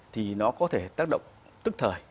thì nó có thể tác động tức thời